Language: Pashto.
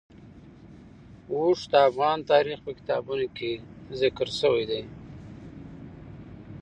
اوښ د افغان تاریخ په کتابونو کې ذکر شوی دی.